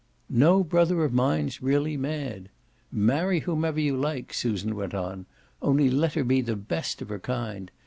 "No brother of mine's really mad. Marry whomever you like," Susan went on; "only let her be the best of her kind.